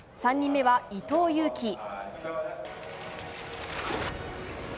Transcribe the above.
３人目は伊藤有希。